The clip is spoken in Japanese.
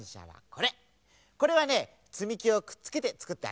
これはねつみきをくっつけてつくってあるんだ。